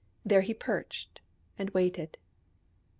There he perched and waited.